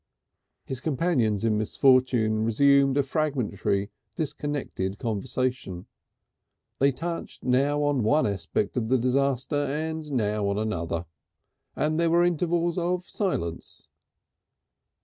His companions in misfortune resumed a fragmentary disconnected conversation. They touched now on one aspect of the disaster and now on another, and there were intervals of silence.